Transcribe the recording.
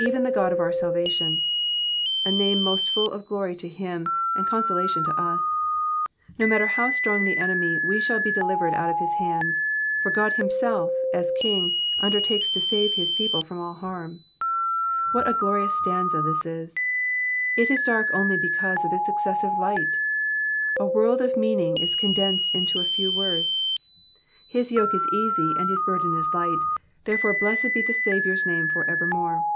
iSw» the God ojf ovr mhatioiu'''* A name moht full of glory to him, and consolation to us. Ko matter how strong the enemy, we hliail be delivered out of his hands ; for God himself, as King, under takes to save hiB people from all harm. What a glorious stanza this is ! It is dark only l>ecauj»e of its excessive light. A world of meaning is condensed into a few words. His yoke is easy, and his burden is light, therefore blessed be the Baviour*s name for evermore.